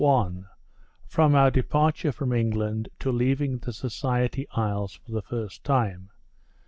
BOOK I FROM OUR DEPARTURE FROM ENGLAND TO LEAVING THE SOCIETY ISLES THE FIRST TIME.